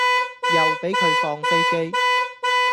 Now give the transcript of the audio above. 又俾佢放飛機